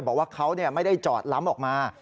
บอกว่าเขาไม่ได้จอดล้ำออกมา